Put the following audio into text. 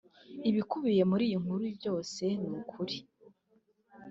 Ibikubiye muri iyi nkuru byose ni ukuri